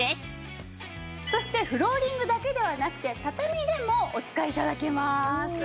そしてフローリングだけではなくて畳でもお使い頂けます。